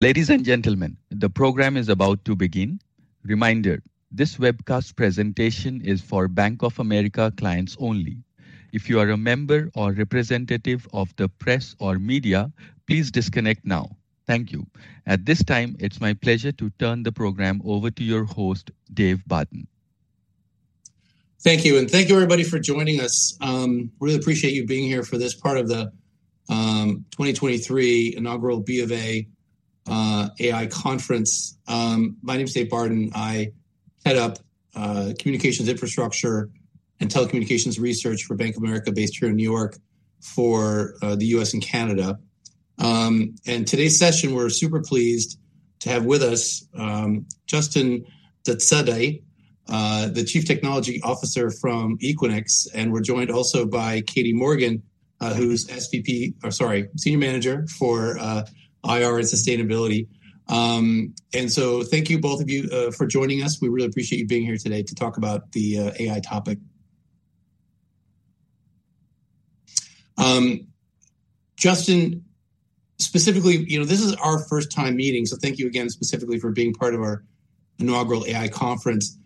Ladies and gentlemen, the program is about to begin. Reminder, this webcast presentation is for Bank of America clients only. If you are a member or representative of the press or media, please disconnect now. Thank you. At this time, it's my pleasure to turn the program over to your host, David Barden. Thank you, and thank you everybody for joining us. Really appreciate you being here for this part of the 2023 inaugural B of A AI conference. My name is David Barden. I head up communications infrastructure and telecommunications research for Bank of America, based here in New York, for the U.S. and Canada. Today's session, we're super pleased to have with us Justin Dustzadeh, the Chief Technology Officer from Equinix, and we're joined also by Katie Morgan, who's SVP or sorry, Senior Manager for IR and Sustainability. So thank you, both of you, for joining us. We really appreciate you being here today to talk about the AI topic. Justin, specifically, you know, this is our first time meeting, so thank you again specifically for being part of our inaugural AI conference.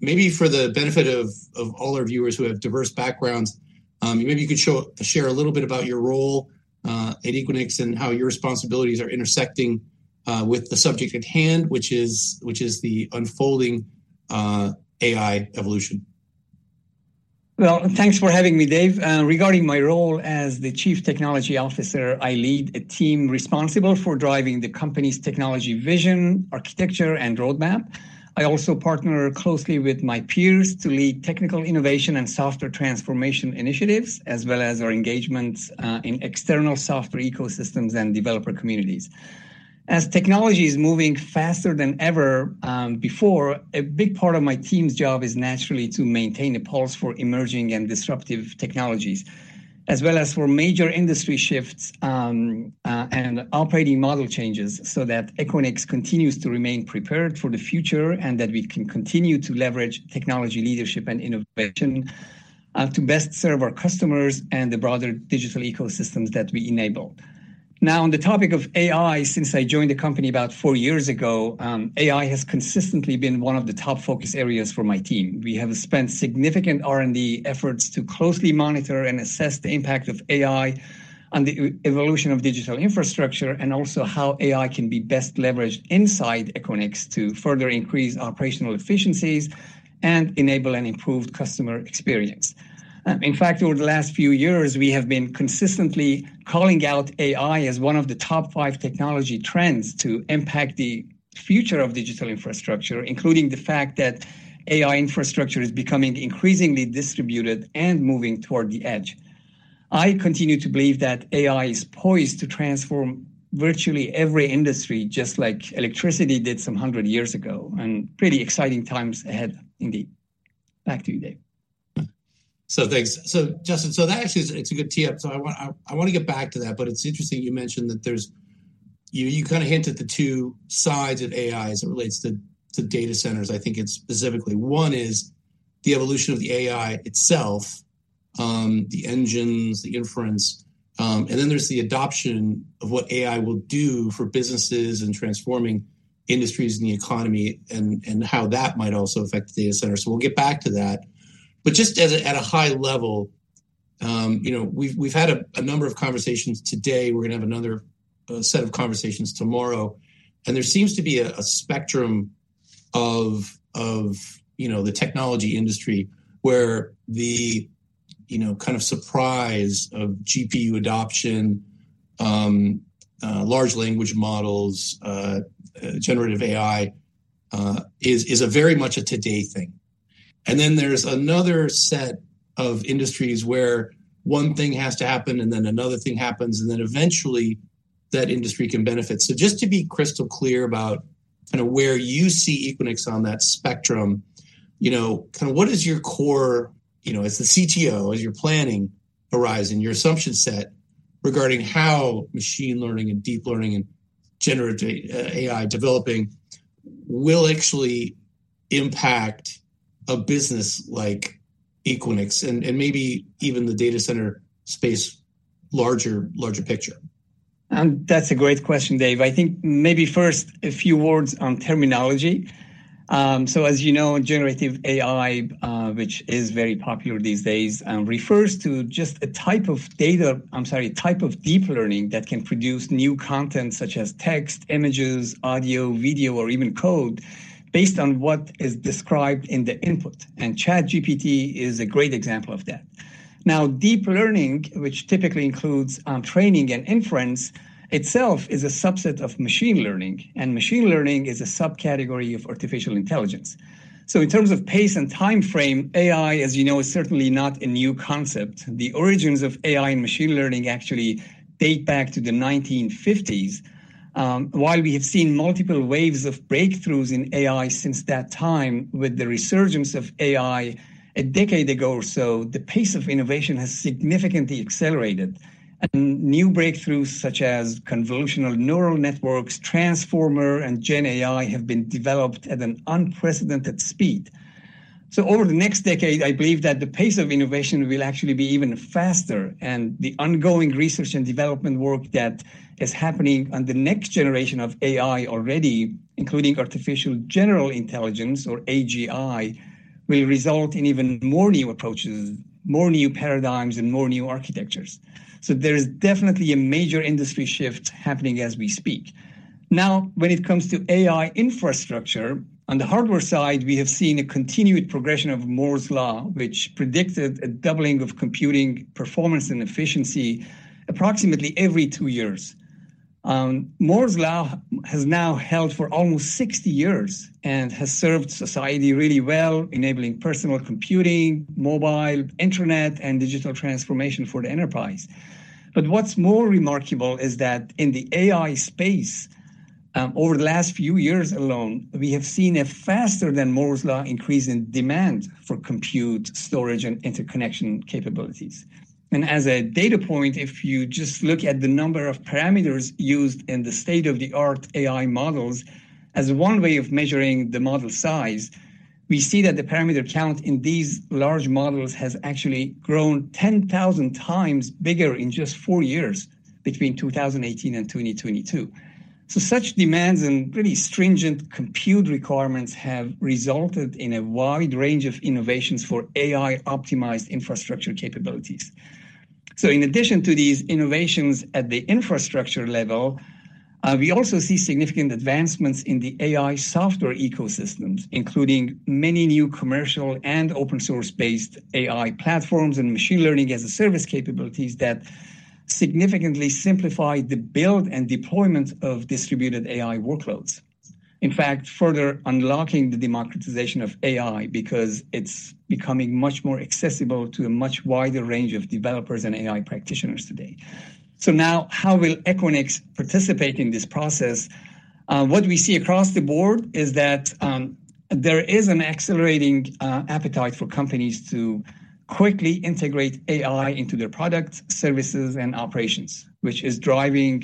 Maybe for the benefit of all our viewers who have diverse backgrounds, maybe you could share a little bit about your role at Equinix and how your responsibilities are intersecting with the subject at hand, which is the unfolding AI evolution. Well, thanks for having me, Dave. Regarding my role as the Chief Technology Officer, I lead a team responsible for driving the company's technology, vision, architecture, and roadmap. I also partner closely with my peers to lead technical innovation and software transformation initiatives, as well as our engagements in external software ecosystems and developer communities. As technology is moving faster than ever before, a big part of my team's job is naturally to maintain a pulse for emerging and disruptive technologies, as well as for major industry shifts and operating model changes, so that Equinix continues to remain prepared for the future, and that we can continue to leverage technology leadership and innovation to best serve our customers and the broader digital ecosystems that we enable. Now, on the topic of AI, since I joined the company about four years ago, AI has consistently been one of the top focus areas for my team. We have spent significant R&D efforts to closely monitor and assess the impact of AI on the evolution of digital infrastructure, and also how AI can be best leveraged inside Equinix to further increase operational efficiencies and enable an improved customer experience. In fact, over the last few years, we have been consistently calling out AI as one of the top five technology trends to impact the future of digital infrastructure, including the fact that AI infrastructure is becoming increasingly distributed and moving toward the edge. I continue to believe that AI is poised to transform virtually every industry, just like electricity did some hundred years ago, and pretty exciting times ahead indeed. Back to you, Dave. So thanks. So Justin, so that actually is, it's a good tee up. So I want to get back to that, but it's interesting you mentioned that there's... You kind of hinted the two sides of AI as it relates to data centers. I think it's specifically one is the evolution of the AI itself, the engines, the inference, and then there's the adoption of what AI will do for businesses and transforming industries and the economy, and how that might also affect the data center. So we'll get back to that. But just at a high level, you know, we've had a number of conversations today. We're going to have another set of conversations tomorrow, and there seems to be a spectrum of, you know, the technology industry where the, you know, kind of surprise of GPU adoption, large language models, generative AI, is a very much a today thing. And then there's another set of industries where one thing has to happen, and then another thing happens, and then eventually that industry can benefit. So just to be crystal clear about kind of where you see Equinix on that spectrum, you know, kind of what is your core, you know, as the CTO, as you're planning horizon, your assumption set regarding how machine learning and deep learning and generative AI developing will actually impact a business like Equinix and, and maybe even the data center space, larger picture? That's a great question, Dave. I think maybe first, a few words on terminology. So as you know, generative AI, which is very popular these days, refers to just a type of deep learning that can produce new content, such as text, images, audio, video, or even code, based on what is described in the input, and ChatGPT is a great example of that. Now, deep learning, which typically includes training and inference, itself is a subset of machine learning, and machine learning is a subcategory of artificial intelligence. So in terms of pace and timeframe, AI, as you know, is certainly not a new concept. The origins of AI and machine learning actually date back to the 1950s. While we have seen multiple waves of breakthroughs in AI since that time, with the resurgence of AI a decade ago or so, the pace of innovation has significantly accelerated. And new breakthroughs such as convolutional neural networks, Transformer, and gen AI have been developed at an unprecedented speed.... So over the next decade, I believe that the pace of innovation will actually be even faster, and the ongoing research and development work that is happening on the next generation of AI already, including artificial general intelligence, or AGI, will result in even more new approaches, more new paradigms, and more new architectures. So there is definitely a major industry shift happening as we speak. Now, when it comes to AI infrastructure, on the hardware side, we have seen a continued progression of Moore's Law, which predicted a doubling of computing performance and efficiency approximately every two years. Moore's Law has now held for almost 60 years and has served society really well, enabling personal computing, mobile, internet, and digital transformation for the enterprise. But what's more remarkable is that in the AI space, over the last few years alone, we have seen a faster-than-Moore's-Law increase in demand for compute, storage, and interconnection capabilities. As a data point, if you just look at the number of parameters used in the state-of-the-art AI models as one way of measuring the model size, we see that the parameter count in these large models has actually grown 10,000 times bigger in just four years, between 2018 and 2022. So such demands and pretty stringent compute requirements have resulted in a wide range of innovations for AI-optimized infrastructure capabilities. In addition to these innovations at the infrastructure level, we also see significant advancements in the AI software ecosystems, including many new commercial and open source-based AI platforms and machine learning as a service capabilities that significantly simplify the build and deployment of distributed AI workloads. In fact, further unlocking the democratization of AI because it's becoming much more accessible to a much wider range of developers and AI practitioners today. Now, how will Equinix participate in this process? What we see across the board is that there is an accelerating appetite for companies to quickly integrate AI into their products, services, and operations, which is driving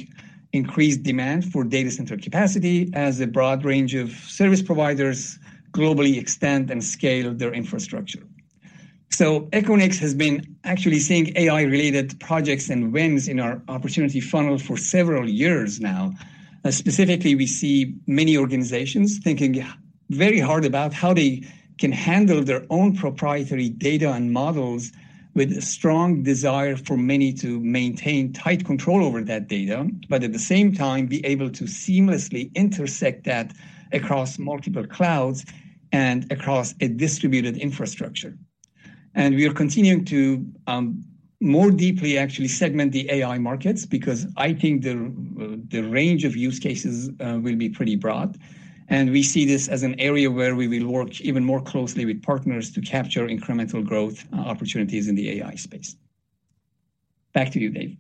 increased demand for data center capacity as a broad range of service providers globally extend and scale their infrastructure. Equinix has been actually seeing AI-related projects and wins in our opportunity funnel for several years now. Specifically, we see many organizations thinking very hard about how they can handle their own proprietary data and models with a strong desire for many to maintain tight control over that data, but at the same time, be able to seamlessly intersect that across multiple clouds and across a distributed infrastructure. We are continuing to more deeply actually segment the AI markets because I think the range of use cases will be pretty broad, and we see this as an area where we will work even more closely with partners to capture incremental growth opportunities in the AI space. Back to you, David.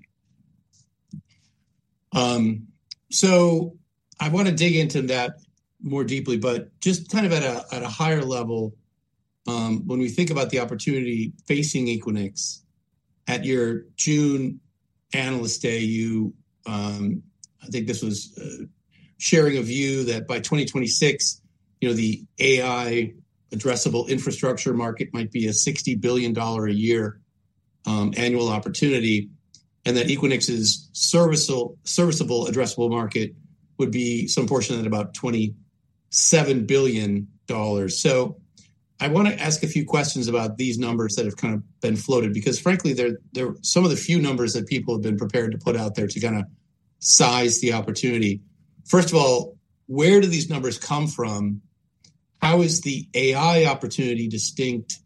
So I want to dig into that more deeply, but just kind of at a higher level, when we think about the opportunity facing Equinix, at your June Analyst Day, you, I think this was, sharing a view that by 2026, you know, the AI addressable infrastructure market might be a $60 billion a year annual opportunity, and that Equinix's serviceable addressable market would be some portion at about $27 billion. So I want to ask a few questions about these numbers that have kind of been floated, because frankly, they're some of the few numbers that people have been prepared to put out there to kind of size the opportunity. First of all, where do these numbers come from? How is the AI opportunity distinct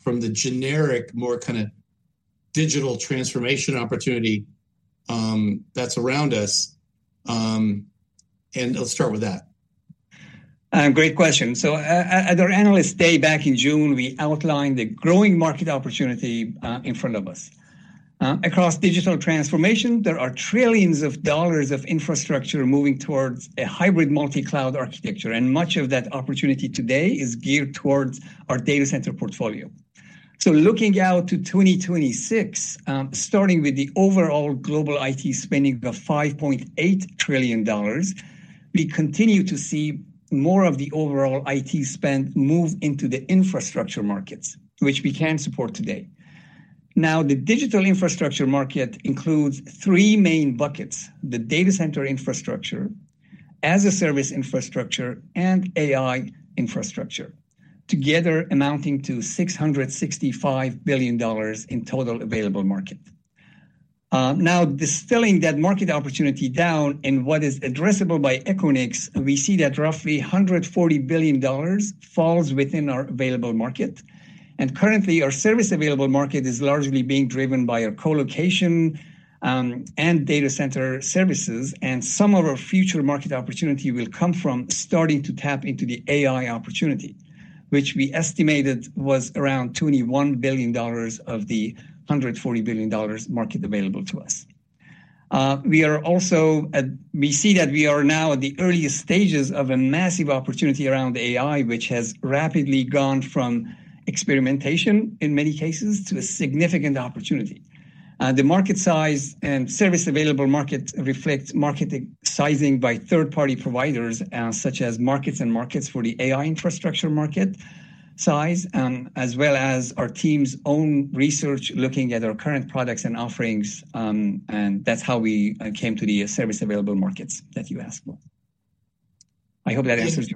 from the generic, more kind of digital transformation opportunity, that's around us? And let's start with that. Great question. So at our Analyst Day back in June, we outlined the growing market opportunity in front of us. Across digital transformation, there are trillions of dollars of infrastructure moving towards a hybrid multi-cloud architecture, and much of that opportunity today is geared towards our data center portfolio. So looking out to 2026, starting with the overall global IT spending of $5.8 trillion, we continue to see more of the overall IT spend move into the infrastructure markets, which we can support today. Now, the digital infrastructure market includes three main buckets: the data center infrastructure, as-a-service infrastructure, and AI infrastructure, together amounting to $665 billion in total available market. Now, distilling that market opportunity down and what is addressable by Equinix, we see that roughly $140 billion falls within our available market. Currently, our service available market is largely being driven by our colocation and data center services, and some of our future market opportunity will come from starting to tap into the AI opportunity, which we estimated was around $21 billion of the $140 billion market available to us. We see that we are now at the earliest stages of a massive opportunity around AI, which has rapidly gone from experimentation, in many cases, to a significant opportunity. The market size and service available market reflects market sizing by third-party providers, such as MarketsandMarkets for the AI infrastructure market size, as well as our team's own research, looking at our current products and offerings. And that's how we came to the service available markets that you asked about. I hope that answers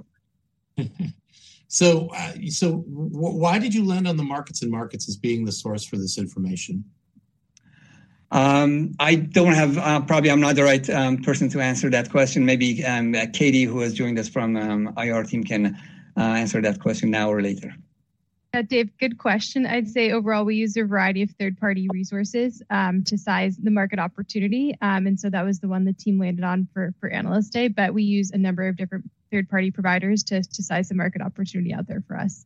you. Why did you land on MarketsandMarkets as being the source for this information? I don't have, probably I'm not the right person to answer that question. Maybe, Katie, who is joining us from IR team, can answer that question now or later. Dave, good question. I'd say overall, we use a variety of third-party resources to size the market opportunity. And so that was the one the team landed on for Analyst Day, but we use a number of different third-party providers to size the market opportunity out there for us.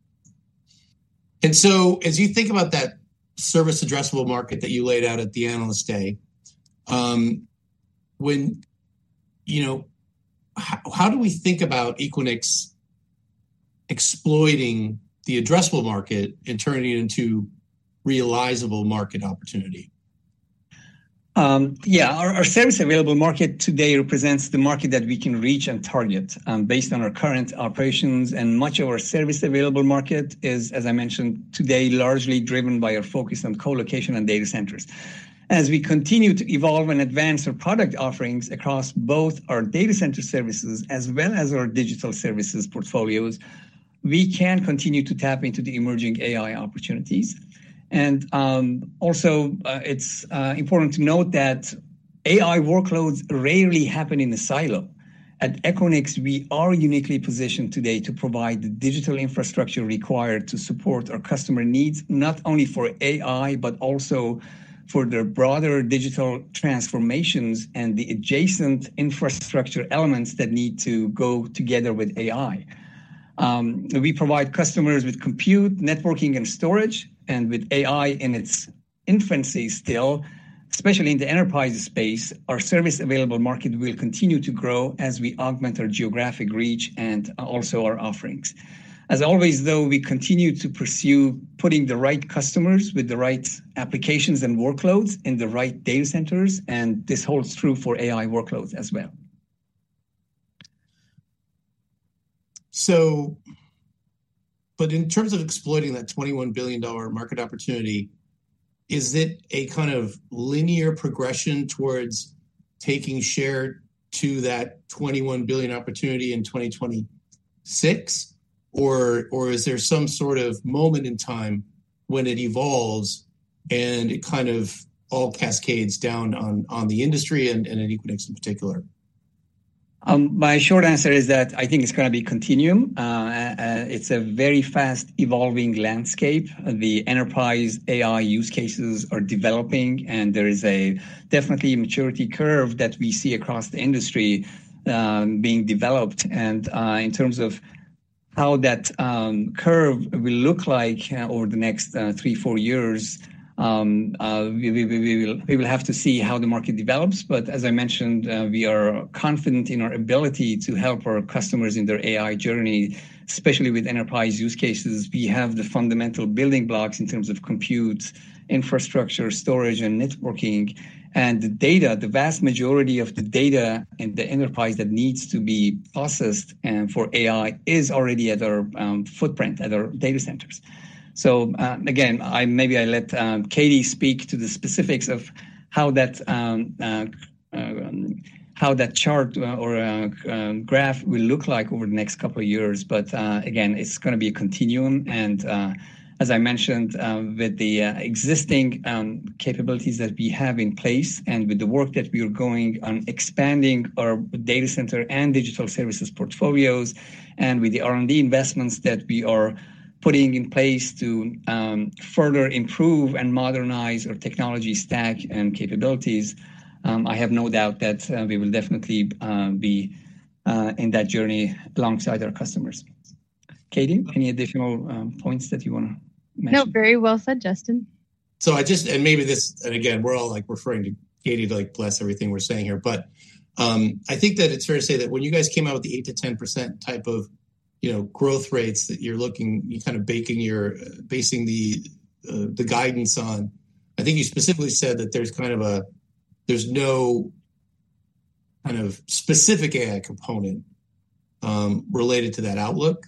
So as you think about that service addressable market that you laid out at the Analyst Day, how do we think about Equinix exploiting the addressable market and turning it into realizable market opportunity? Yeah, our service available market today represents the market that we can reach and target, based on our current operations. Much of our service available market is, as I mentioned today, largely driven by our focus on colocation and data centers. As we continue to evolve and advance our product offerings across both our data center services as well as our digital services portfolios, we can continue to tap into the emerging AI opportunities. Also, it's important to note that AI workloads rarely happen in the silo. At Equinix, we are uniquely positioned today to provide the digital infrastructure required to support our customer needs, not only for AI, but also for their broader digital transformations and the adjacent infrastructure elements that need to go together with AI. We provide customers with compute, networking, and storage, and with AI in its infancy still, especially in the enterprise space, our service available market will continue to grow as we augment our geographic reach and also our offerings. As always, though, we continue to pursue putting the right customers with the right applications and workloads in the right data centers, and this holds true for AI workloads as well. So, but in terms of exploiting that $21 billion market opportunity, is it a kind of linear progression towards taking share to that $21 billion opportunity in 2026? Or, or is there some sort of moment in time when it evolves and it kind of all cascades down on, on the industry and, and in Equinix in particular? My short answer is that I think it's gonna be continuum. It's a very fast-evolving landscape. The enterprise AI use cases are developing, and there is definitely a maturity curve that we see across the industry, being developed. In terms of how that curve will look like over the next three, four years, we will have to see how the market develops. But as I mentioned, we are confident in our ability to help our customers in their AI journey, especially with enterprise use cases. We have the fundamental building blocks in terms of compute, infrastructure, storage, and networking, and the data, the vast majority of the data in the enterprise that needs to be processed for AI is already at our footprint, at our data centers. So, again, I maybe let Katie speak to the specifics of how that chart or graph will look like over the next couple of years. But, again, it's gonna be a continuum and, as I mentioned, with the existing capabilities that we have in place and with the work that we are going on expanding our data center and digital services portfolios, and with the R&D investments that we are putting in place to further improve and modernize our technology stack and capabilities, I have no doubt that we will definitely be in that journey alongside our customers. Katie, any additional points that you wanna mention? No, very well said, Justin. And again, we're all like referring to Katie, to, like, bless everything we're saying here. But I think that it's fair to say that when you guys came out with the 8%-10% type of, you know, growth rates that you're looking, you're kind of baking your basing the guidance on, I think you specifically said that there's kind of a, there's no kind of specific AI component related to that outlook.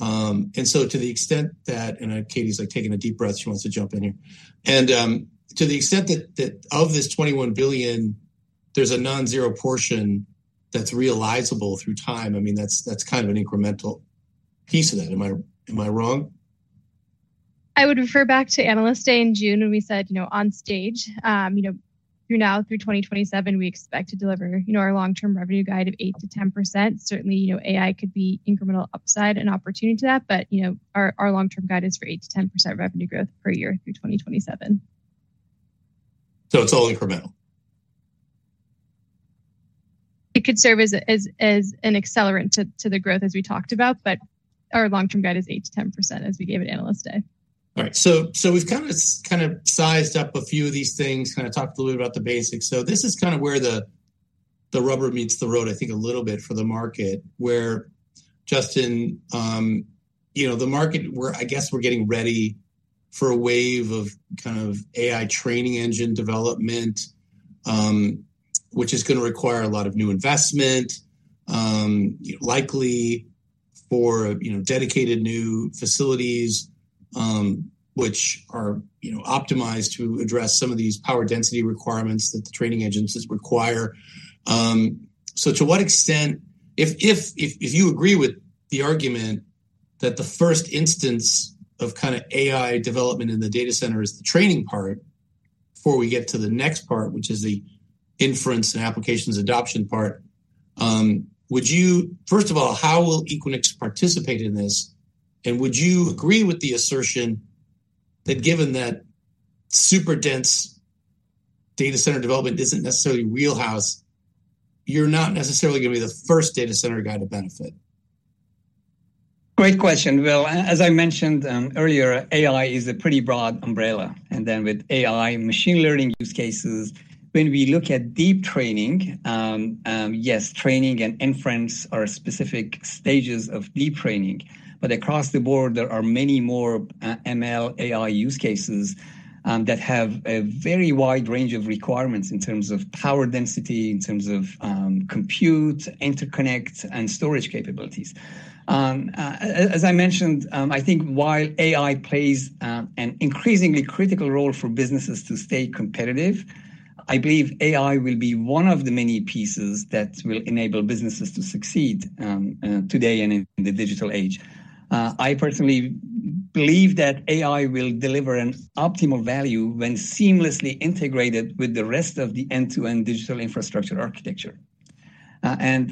And so to the extent that I know Katie's, like, taking a deep breath, she wants to jump in here. And to the extent that, that of this $21 billion, there's a non-zero portion that's realizable through time, I mean, that's, that's kind of an incremental piece of that. Am I wrong? I would refer back to Analyst Day in June when we said, you know, on stage, you know, through now through 2027, we expect to deliver, you know, our long-term revenue guide of 8%-10%. Certainly, you know, AI could be incremental upside and opportunity to that, but, you know, our, our long-term guide is for 8%-10% revenue growth per year through 2027. It's all incremental? ... it could serve as an accelerant to the growth, as we talked about, but our long-term guide is 8%-10%, as we gave at Analyst Day. All right. So we've kind of sized up a few of these things, kind of talked a little bit about the basics. So this is kind of where the rubber meets the road, I think, a little bit for the market, where Justin, you know, the market, we're—I guess we're getting ready for a wave of kind of AI training engine development, which is gonna require a lot of new investment, likely for, you know, dedicated new facilities, which are, you know, optimized to address some of these power density requirements that the training stages require. So, to what extent, if you agree with the argument that the first instance of kind of AI development in the data center is the training part, before we get to the next part, which is the inference and applications adoption part, would you, first of all, how will Equinix participate in this? And would you agree with the assertion that given that super dense data center development isn't necessarily your wheelhouse, you're not necessarily gonna be the first data center guy to benefit? Great question, Well. As I mentioned earlier, AI is a pretty broad umbrella, and then with AI and machine learning use cases, when we look at deep learning, yes, training and inference are specific stages of deep learning. But across the board, there are many more ML/AI use cases that have a very wide range of requirements in terms of power density, in terms of compute, interconnect, and storage capabilities. As I mentioned, I think while AI plays an increasingly critical role for businesses to stay competitive, I believe AI will be one of the many pieces that will enable businesses to succeed today and in the digital age. I personally believe that AI will deliver an optimal value when seamlessly integrated with the rest of the end-to-end digital infrastructure architecture.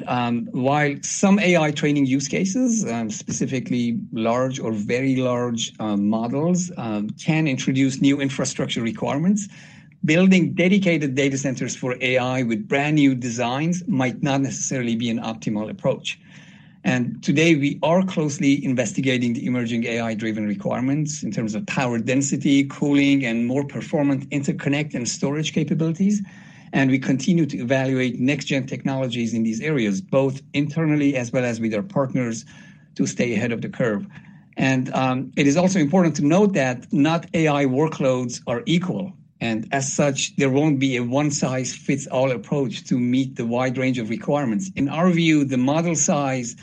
While some AI training use cases, specifically large or very large models, can introduce new infrastructure requirements, building dedicated data centers for AI with brand-new designs might not necessarily be an optimal approach. Today, we are closely investigating the emerging AI-driven requirements in terms of power density, cooling, and more performant interconnect and storage capabilities. We continue to evaluate next-gen technologies in these areas, both internally as well as with our partners, to stay ahead of the curve. It is also important to note that not AI workloads are equal, and as such, there won't be a one-size-fits-all approach to meet the wide range of requirements. In our view, the model size,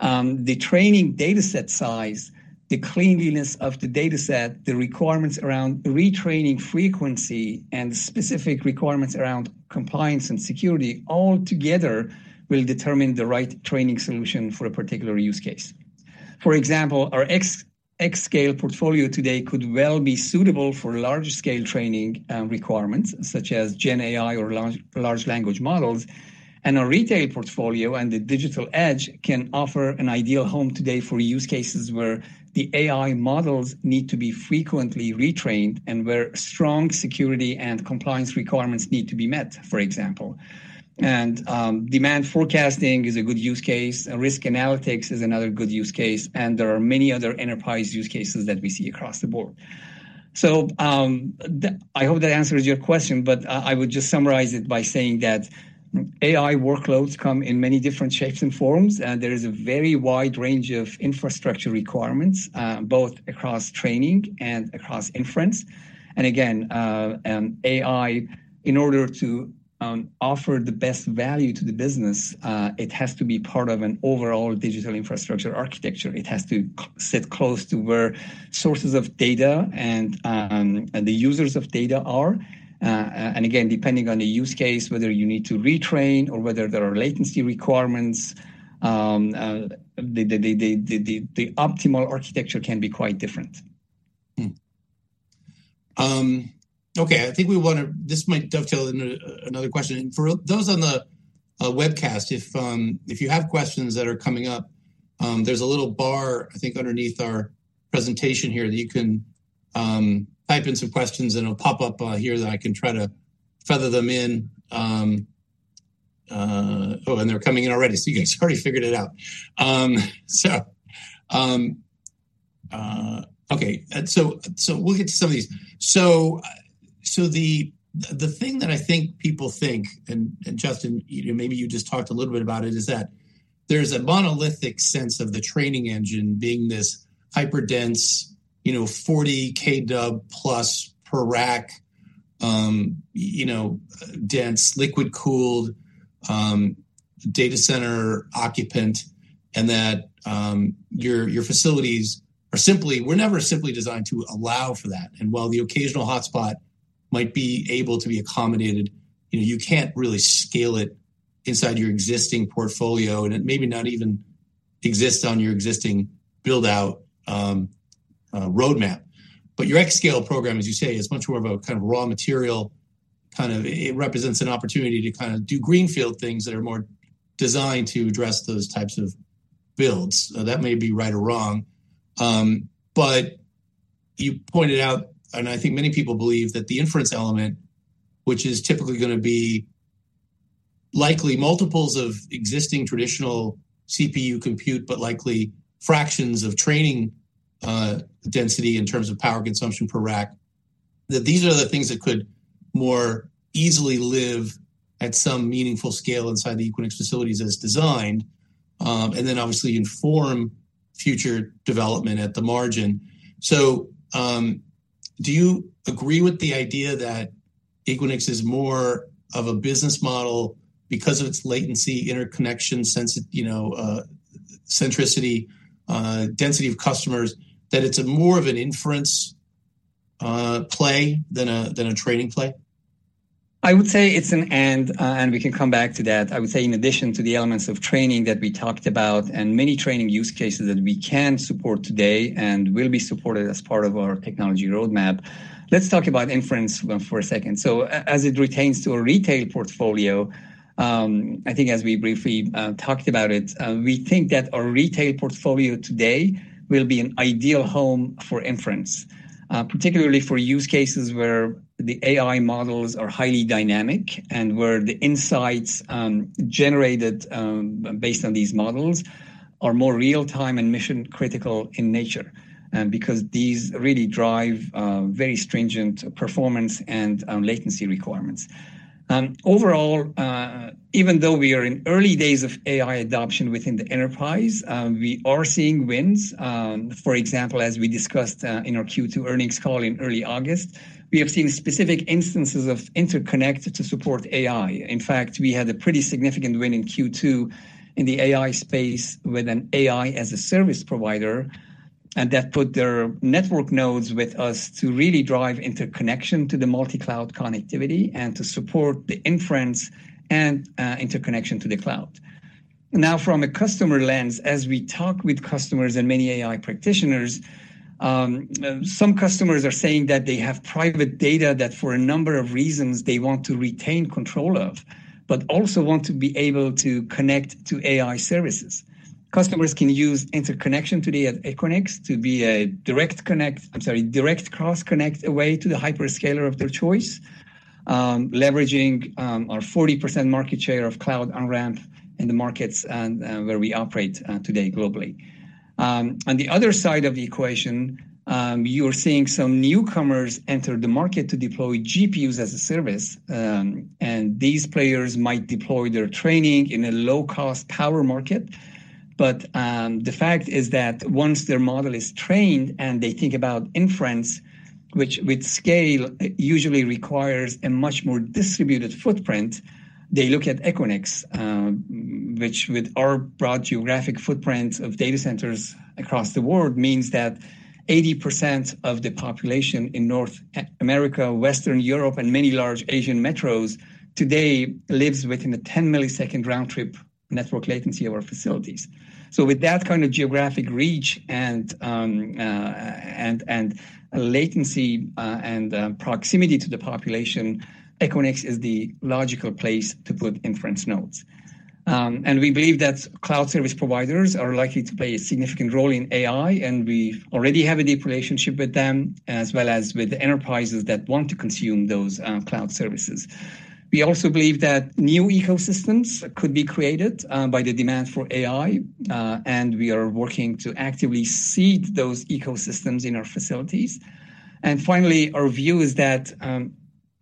the training dataset size, the cleanliness of the dataset, the requirements around retraining frequency, and specific requirements around compliance and security altogether will determine the right training solution for a particular use case. For example, our xScale portfolio today could well be suitable for large-scale training, requirements such as gen AI or large, large language models. And our retail portfolio and the digital edge can offer an ideal home today for use cases where the AI models need to be frequently retrained, and where strong security and compliance requirements need to be met, for example. And, demand forecasting is a good use case, and risk analytics is another good use case, and there are many other enterprise use cases that we see across the board. So, I hope that answers your question, but I would just summarize it by saying that AI workloads come in many different shapes and forms, and there is a very wide range of infrastructure requirements, both across training and across inference. And again, AI, in order to offer the best value to the business, it has to be part of an overall digital infrastructure architecture. It has to sit close to where sources of data and the users of data are. And again, depending on the use case, whether you need to retrain or whether there are latency requirements, the optimal architecture can be quite different. Okay, I think we wanna this might dovetail into another question. For those on the webcast, if you have questions that are coming up, there's a little bar, I think, underneath our presentation here, that you can type in some questions, and it'll pop up here, that I can try to feather them in. Oh, and they're coming in already, so you guys already figured it out. So, okay, we'll get to some of these. So, the thing that I think people think, and Justin, you maybe just talked a little bit about it, is that there's a monolithic sense of the training engine being this hyperdense, you know, 40 kW-plus per rack, you know, dense, liquid-cooled, data center occupant, and that, your facilities are simply were never simply designed to allow for that. And while the occasional hotspot might be able to be accommodated, you know, you can't really scale it inside your existing portfolio, and it maybe not even exists on your existing build-out, roadmap. But your xScale program, as you say, is much more of a kind of raw material. Kind of it represents an opportunity to kind of do greenfield things that are more designed to address those types of builds. That may be right or wrong, but-... You pointed out, and I think many people believe, that the inference element, which is typically going to be likely multiples of existing traditional CPU compute, but likely fractions of training, density in terms of power consumption per rack, that these are the things that could more easily live at some meaningful scale inside the Equinix facilities as designed, and then obviously inform future development at the margin. So, do you agree with the idea that Equinix is more of a business model because of its latency, interconnection, you know, centricity, density of customers, that it's a more of an inference, play than a, than a training play? I would say it's an and, and we can come back to that. I would say in addition to the elements of training that we talked about and many training use cases that we can support today and will be supported as part of our technology roadmap. Let's talk about inference for a second. So as it relates to our retail portfolio, I think as we briefly talked about it, we think that our retail portfolio today will be an ideal home for inference. Particularly for use cases where the AI models are highly dynamic and where the insights generated based on these models are more real-time and mission-critical in nature. And because these really drive very stringent performance and latency requirements. Overall, even though we are in early days of AI adoption within the enterprise, we are seeing wins. For example, as we discussed, in our Q2 earnings call in early August, we have seen specific instances of interconnect to support AI. In fact, we had a pretty significant win in Q2 in the AI space with an AI-as-a-service provider, and that put their network nodes with us to really drive interconnection to the multi-cloud connectivity and to support the inference and, interconnection to the cloud. Now, from a customer lens, as we talk with customers and many AI practitioners, some customers are saying that they have private data that for a number of reasons, they want to retain control of, but also want to be able to connect to AI services. Customers can use interconnection today at Equinix to be a direct cross-connect away to the hyperscaler of their choice, leveraging our 40% market share of cloud on-ramp in the markets and where we operate today globally. On the other side of the equation, you're seeing some newcomers enter the market to deploy GPUs as a service, and these players might deploy their training in a low-cost power market. But, the fact is that once their model is trained and they think about inference, which with scale, usually requires a much more distributed footprint, they look at Equinix, which with our broad geographic footprint of data centers across the world, means that 80% of the population in North America, Western Europe, and many large Asian metros today lives within a 10-ms round trip network latency of our facilities. So with that kind of geographic reach and latency, and proximity to the population, Equinix is the logical place to put inference nodes. And we believe that cloud service providers are likely to play a significant role in AI, and we already have a deep relationship with them, as well as with the enterprises that want to consume those cloud services. We also believe that new ecosystems could be created by the demand for AI, and we are working to actively seed those ecosystems in our facilities. And finally, our view is that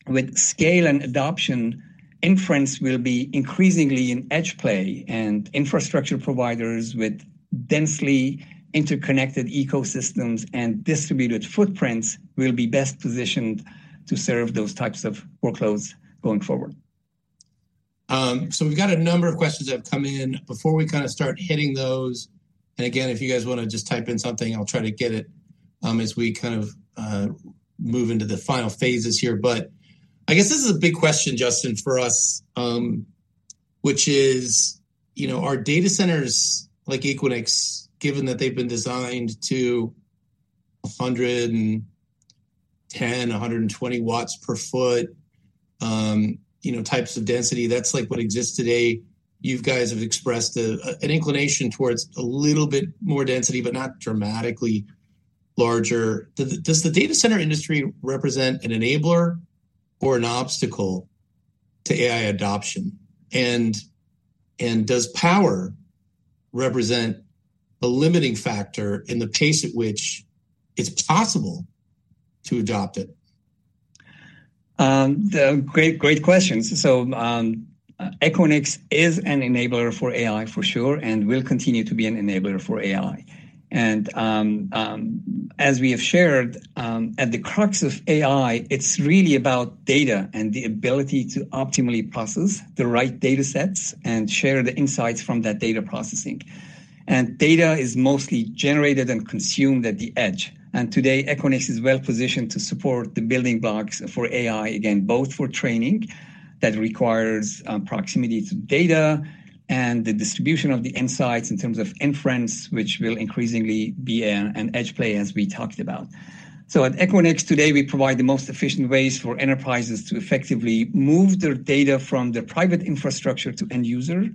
with scale and adoption, inference will be increasingly an edge play, and infrastructure providers with densely interconnected ecosystems and distributed footprints will be best positioned to serve those types of workloads going forward. So we've got a number of questions that have come in. Before we kind of start hitting those, and again, if you guys want to just type in something, I'll try to get it, as we kind of move into the final phases here. But I guess this is a big question, Justin, for us, which is, you know, are data centers like Equinix, given that they've been designed to 110-120 W/ft, you know, types of density, that's like what exists today. You guys have expressed an inclination towards a little bit more density, but not dramatically larger. Does the data center industry represent an enabler or an obstacle to AI adoption? And does power represent a limiting factor in the pace at which it's possible to adopt it? Great, great questions. So, Equinix is an enabler for AI for sure, and will continue to be an enabler for AI. And, as we have shared, at the crux of AI, it's really about data and the ability to optimally process the right datasets and share the insights from that data processing... and data is mostly generated and consumed at the edge. And today, Equinix is well-positioned to support the building blocks for AI, again, both for training that requires proximity to data and the distribution of the insights in terms of inference, which will increasingly be an edge play, as we talked about. So at Equinix today, we provide the most efficient ways for enterprises to effectively move their data from their private infrastructure to end user,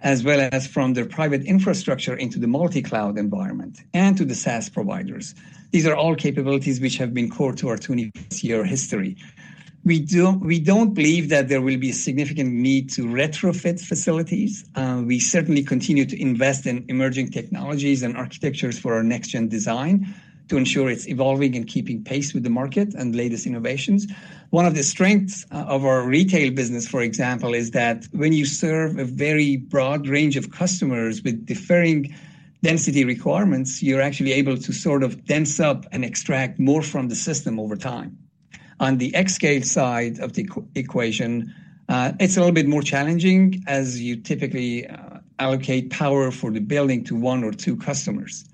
as well as from their private infrastructure into the multi-cloud environment and to the SaaS providers. These are all capabilities which have been core to our 20-year history. We don't believe that there will be a significant need to retrofit facilities. We certainly continue to invest in emerging technologies and architectures for our next-gen design to ensure it's evolving and keeping pace with the market and latest innovations. One of the strengths of our retail business, for example, is that when you serve a very broad range of customers with differing density requirements, you're actually able to sort of dense up and extract more from the system over time. On the xScale side of the equation, it's a little bit more challenging as you typically allocate power for the building to one or two customers.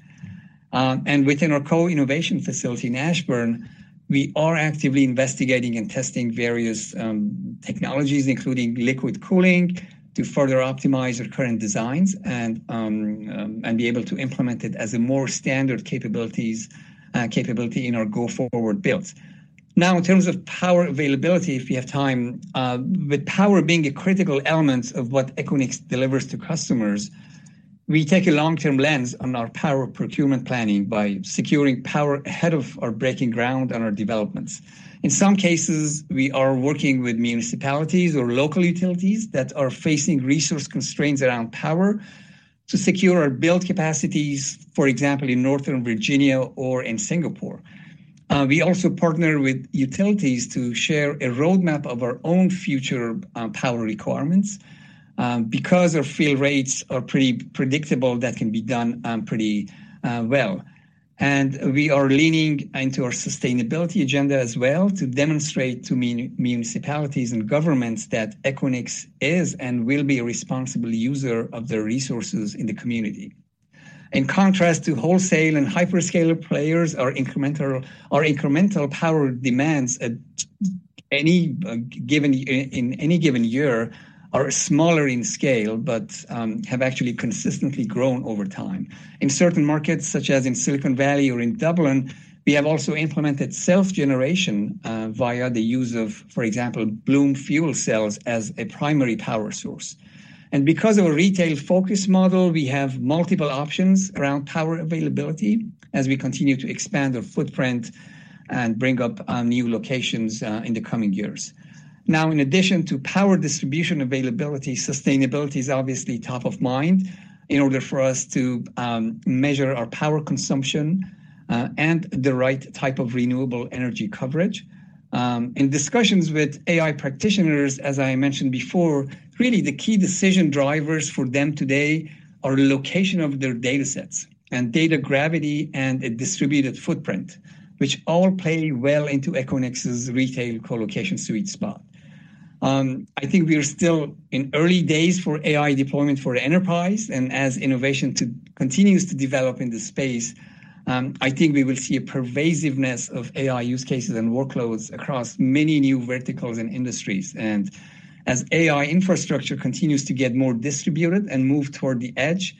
And within our co-innovation facility in Ashburn, we are actively investigating and testing various technologies, including liquid cooling, to further optimize our current designs and be able to implement it as a more standard capability in our go-forward builds. Now, in terms of power availability, if we have time, with power being a critical element of what Equinix delivers to customers, we take a long-term lens on our power procurement planning by securing power ahead of our breaking ground on our developments. In some cases, we are working with municipalities or local utilities that are facing resource constraints around power to secure our build capacities, for example, in Northern Virginia or in Singapore. We also partner with utilities to share a roadmap of our own future power requirements. Because our fill rates are pretty predictable, that can be done pretty well. We are leaning into our sustainability agenda as well to demonstrate to municipalities and governments that Equinix is and will be a responsible user of the resources in the community. In contrast to wholesale and hyperscaler players, our incremental power demands at any given, in any given year, are smaller in scale, but have actually consistently grown over time. In certain markets, such as in Silicon Valley or in Dublin, we have also implemented self-generation via the use of, for example, Bloom's fuel cells as a primary power source. Because of our retail-focused model, we have multiple options around power availability as we continue to expand our footprint and bring up new locations in the coming years. Now, in addition to power distribution availability, sustainability is obviously top of mind in order for us to measure our power consumption and the right type of renewable energy coverage. In discussions with AI practitioners, as I mentioned before, really the key decision drivers for them today are location of their datasets and data gravity and a distributed footprint, which all play well into Equinix's retail colocation sweet spot. I think we are still in early days for AI deployment for enterprise, and as innovation continues to develop in this space, I think we will see a pervasiveness of AI use cases and workloads across many new verticals and industries. As AI infrastructure continues to get more distributed and move toward the edge,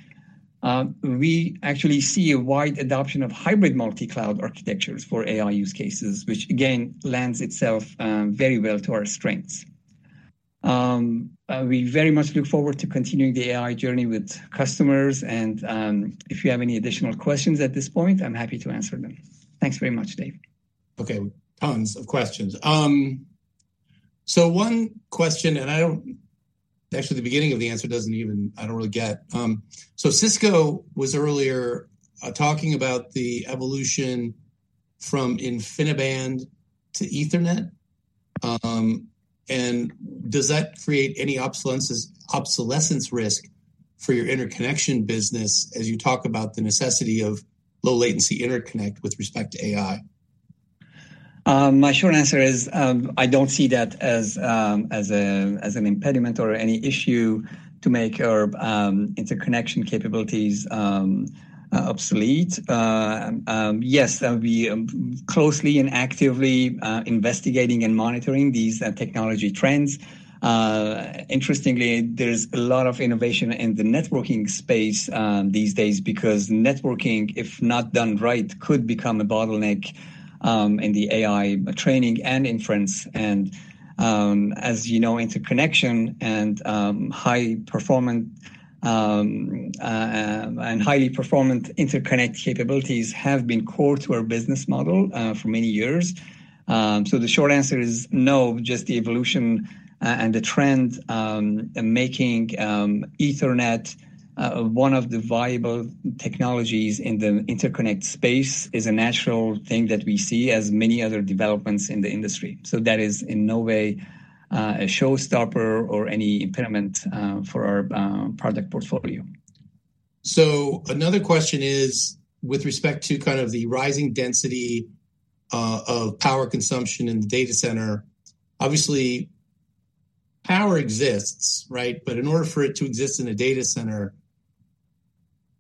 we actually see a wide adoption of hybrid multi-cloud architectures for AI use cases, which again, lends itself, very well to our strengths. We very much look forward to continuing the AI journey with customers, and, if you have any additional questions at this point, I'm happy to answer them. Thanks very much, Dave. Okay, tons of questions. So one question, and actually, the beginning of the answer doesn't even... I don't really get. So Cisco was earlier talking about the evolution from InfiniBand to Ethernet. And does that create any obsolescence risk for your interconnection business as you talk about the necessity of low-latency interconnect with respect to AI? My short answer is, I don't see that as an impediment or any issue to make our interconnection capabilities obsolete. Yes, that we are closely and actively investigating and monitoring these technology trends. Interestingly, there's a lot of innovation in the networking space these days because networking, if not done right, could become a bottleneck in the AI training and inference, and, as you know, interconnection and high performant and highly performant interconnect capabilities have been core to our business model for many years. So the short answer is no, just the evolution and the trend making Ethernet one of the viable technologies in the interconnect space is a natural thing that we see as many other developments in the industry. That is in no way a showstopper or any impediment for our product portfolio. So another question is, with respect to kind of the rising density of power consumption in the data center, obviously power exists, right? But in order for it to exist in a data center,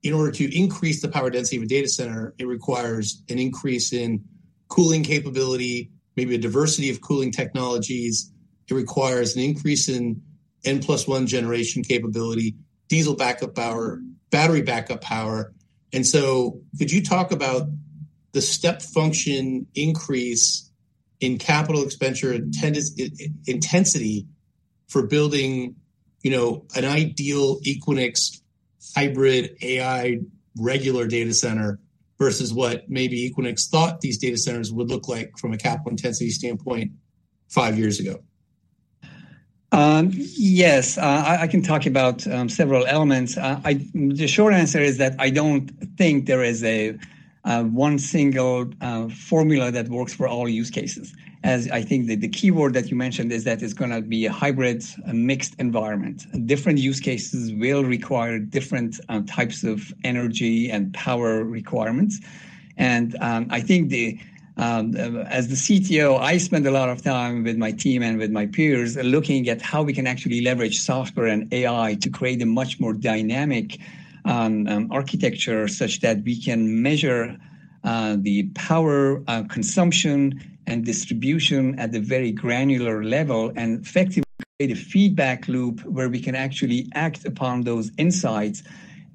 in order to increase the power density of a data center, it requires an increase in cooling capability, maybe a diversity of cooling technologies. It requires an increase in N+1 generation capability, diesel backup power, battery backup power. And so could you talk about the step function increase in capital expenditure intensity for building, you know, an ideal Equinix hybrid AI regular data center, versus what maybe Equinix thought these data centers would look like from a capital intensity standpoint five years ago? Yes, I can talk about several elements. The short answer is that I don't think there is a one single formula that works for all use cases. As I think that the keyword that you mentioned is that it's gonna be a hybrid, a mixed environment. Different use cases will require different types of energy and power requirements. I think as the CTO, I spend a lot of time with my team and with my peers, looking at how we can actually leverage software and AI to create a much more dynamic architecture, such that we can measure the power consumption and distribution at a very granular level, and effectively create a feedback loop, where we can actually act upon those insights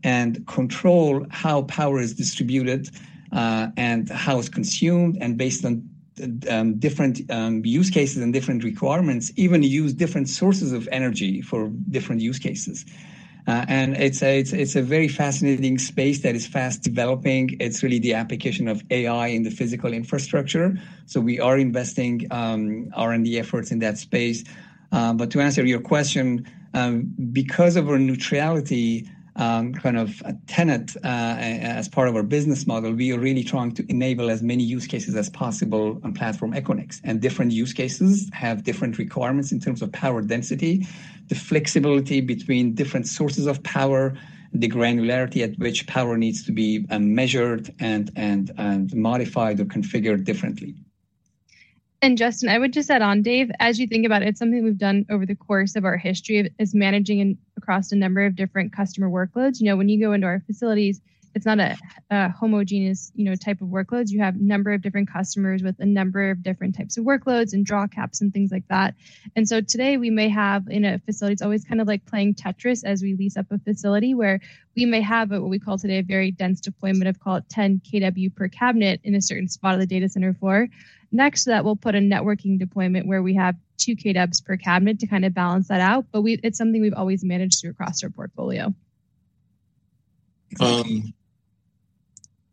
and control how power is distributed and how it's consumed. Based on different use cases and different requirements, even use different sources of energy for different use cases. It's a very fascinating space that is fast developing. It's really the application of AI in the physical infrastructure, so we are investing R&D efforts in that space. But to answer your question, because of our neutrality, kind of tenet, as part of our business model, we are really trying to enable as many use cases as possible on Platform Equinix. And different use cases have different requirements in terms of power density, the flexibility between different sources of power, the granularity at which power needs to be measured and modified or configured differently. And Justin, I would just add on, Dave, as you think about it, it's something we've done over the course of our history, is managing across a number of different customer work.oads. You know, when you go into our facilities, it's not a homogeneous, you know, type of workloads. You have a number of different customers with a number of different types of workloads and draw caps and things like that. And so today, we may have in a facility, it's always kind of like playing Tetris as we lease up a facility, where we may have what we call today, a very dense deployment of call it 10 kW per cabinet in a certain spot of the data center floor. Next to that, we'll put a networking deployment where we have 2 kW per cabinet to kind of balance that out, but it's something we've always managed through across our portfolio.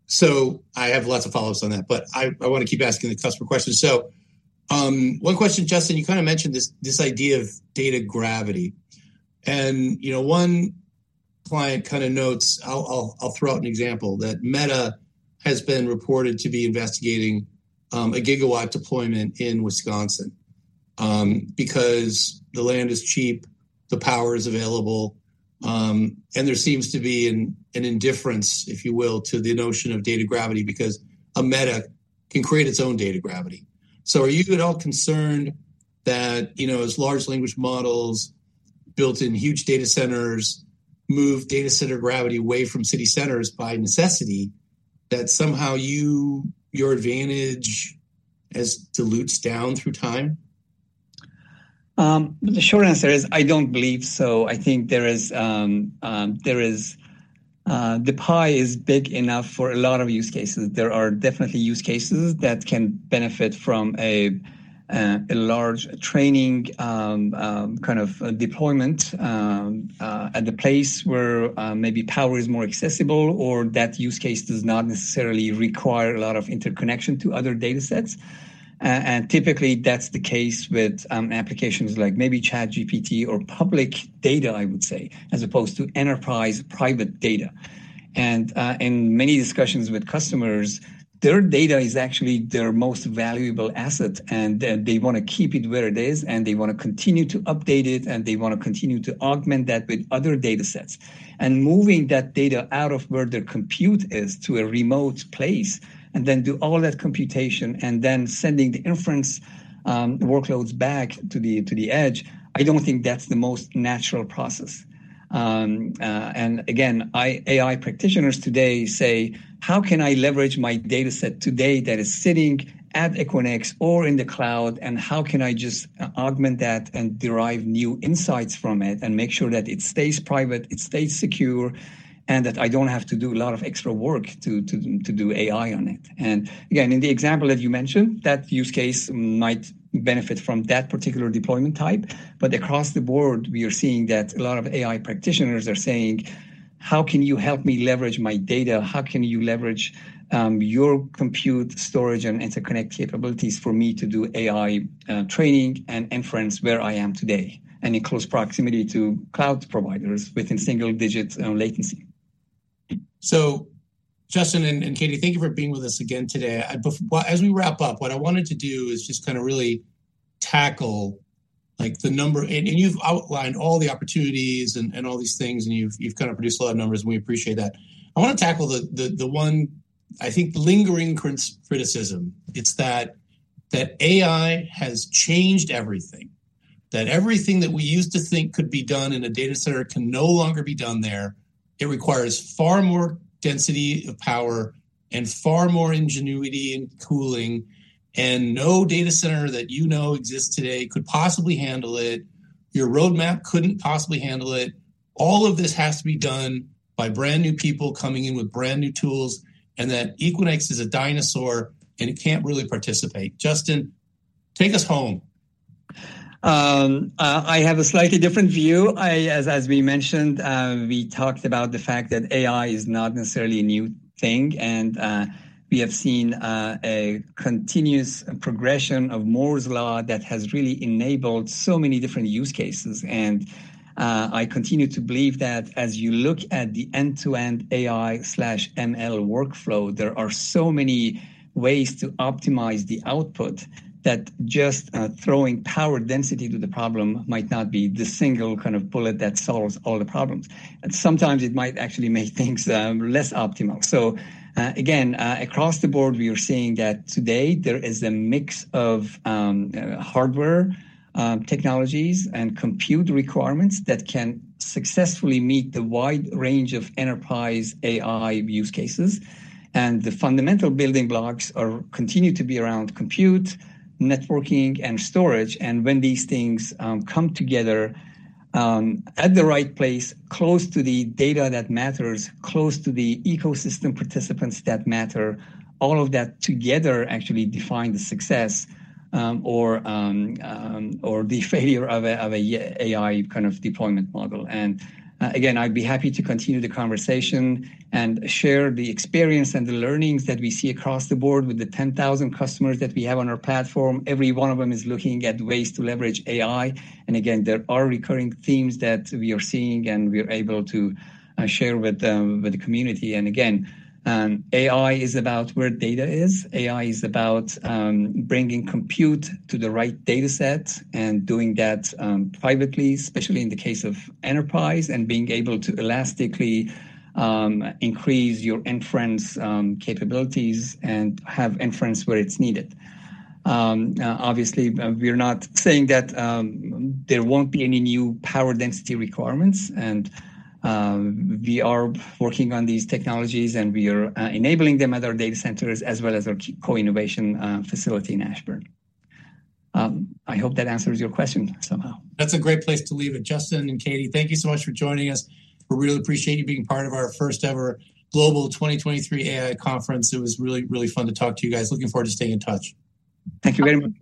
So I have lots of follow-ups on that, but I wanna keep asking the customer questions. So, one question, Justin, you kind of mentioned this idea of data gravity. And, you know, one client kind of notes... I'll throw out an example, that Meta has been reported to be investigating a gigawatt deployment in Wisconsin because the land is cheap, the power is available, and there seems to be an indifference, if you will, to the notion of data gravity, because Meta can create its own data gravity. So are you at all concerned that, you know, as large language models, built-in huge data centers, move data center gravity away from city centers by necessity, that somehow your advantage dilutes down through time? The short answer is, I don't believe so. I think there is, there is, the pie is big enough for a lot of use cases. There are definitely use cases that can benefit from a, a large training, kind of deployment, at the place where, maybe power is more accessible, or that use case does not necessarily require a lot of interconnection to other data sets. And typically, that's the case with, applications like maybe ChatGPT or public data, I would say, as opposed to enterprise private data. And, in many discussions with customers, their data is actually their most valuable asset, and they want to keep it where it is, and they wanna continue to update it, and they wanna continue to augment that with other data sets. Moving that data out of where their compute is to a remote place, and then do all that computation, and then sending the inference workloads back to the edge, I don't think that's the most natural process. Again, AI practitioners today say: How can I leverage my data set today that is sitting at Equinix or in the cloud, and how can I just augment that and derive new insights from it, and make sure that it stays private, it stays secure, and that I don't have to do a lot of extra work to do AI on it? Again, in the example that you mentioned, that use case might benefit from that particular deployment type. But across the board, we are seeing that a lot of AI practitioners are saying: How can you help me leverage my data? How can you leverage your compute, storage, and interconnect capabilities for me to do AI training and inference where I am today, and in close proximity to cloud providers within single-digit latency? So Justin and Katie, thank you for being with us again today. Well, as we wrap up, what I wanted to do is just kind of really tackle. You've outlined all the opportunities and all these things, and you've kind of produced a lot of numbers, and we appreciate that. I wanna tackle. I think the lingering criticism, it's that AI has changed everything. That everything that we used to think could be done in a data center can no longer be done there. It requires far more density of power and far more ingenuity and cooling, and no data center that you know exists today could possibly handle it. Your roadmap couldn't possibly handle it. All of this has to be done by brand-new people coming in with brand-new tools, and that Equinix is a dinosaur, and it can't really participate. Justin, take us home. I have a slightly different view. I, as we mentioned, we talked about the fact that AI is not necessarily a new thing, and we have seen a continuous progression of Moore's Law that has really enabled so many different use cases. And I continue to believe that as you look at the end-to-end AI/ML workflow, there are so many ways to optimize the output that just throwing power density to the problem might not be the single kind of bullet that solves all the problems, and sometimes it might actually make things less optimal. So, again, across the board, we are seeing that today there is a mix of hardware technologies, and compute requirements that can successfully meet the wide range of enterprise AI use cases. The fundamental building blocks are continue to be around compute, networking, and storage, and when these things come together at the right place, close to the data that matters, close to the ecosystem participants that matter, all of that together actually define the success or the failure of an AI kind of deployment model. Again, I'd be happy to continue the conversation and share the experience and the learnings that we see across the board with the 10,000 customers that we have on our platform. Every one of them is looking at ways to leverage AI, and again, there are recurring themes that we are seeing, and we are able to share with them, with the community. Again, AI is about where data is. AI is about bringing compute to the right dataset and doing that privately, especially in the case of enterprise, and being able to elastically increase your inference capabilities and have inference where it's needed. Obviously, we are not saying that there won't be any new power density requirements, and we are working on these technologies, and we are enabling them at our data centers as well as our co-innovation facility in Ashburn. I hope that answers your question somehow. That's a great place to leave it. Justin and Katie, thank you so much for joining us. We really appreciate you being part of our first-ever global 2023 AI conference. It was really, really fun to talk to you guys. Looking forward to staying in touch. Thank you very much.